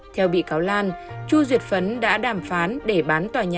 theo bị cáo lan chu duyệt phấn đã đàm phán để bán tòa nhà